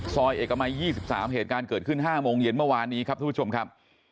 ซอยเอกมัย๒๓เหตุการณ์เกิดขึ้น๕โมงเย็นเมื่อวานนี้ครับทุกผู้ชมครับ